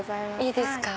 いいですか？